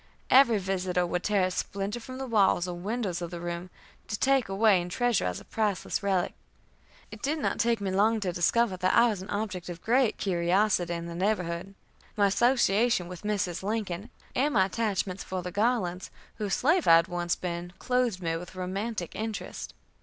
Every visitor would tear a splinter from the walls or windows of the room, to take away and treasure as a priceless relic. It did not take me long to discover that I was an object of great curiosity in the neighborhood. My association with Mrs. Lincoln, and my attachment for the Garlands, whose slave I had once been, clothed me with romantic interest.